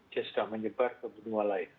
dia sudah menyebar ke benua lain